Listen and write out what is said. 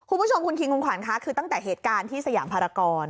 คุณผู้ชมคุณคิงคุณขวัญค่ะคือตั้งแต่เหตุการณ์ที่สยามภารกร